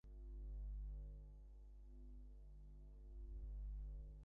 এখন তোমার সময় হয়েছে!